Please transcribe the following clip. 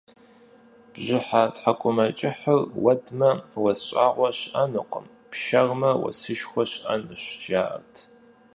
Бжьыхьэ тхьэкӀумэкӀыхьыр уэдмэ, уэс щӀагъуэ щыӀэнукъым, пшэрмэ, уэсышхуэ щыӀэнущ, жаӀэрт.